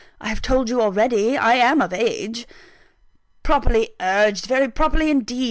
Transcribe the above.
I have told you already, I am of age." "Properly urged very properly, indeed.